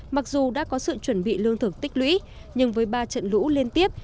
mặc dù đã có sự chuẩn bị lương thực tích lũy nhưng với ba trận lũ liên tiếp